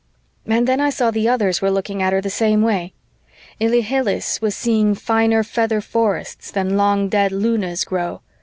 And then I saw the others were looking at her the same way. Ilhilihis was seeing finer feather forests than long dead Luna's grow.